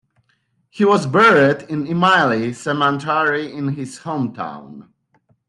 He was buried in Imlay Cemetery in his hometown.